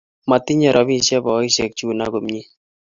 Motinye robisshe boisiek chuno komie.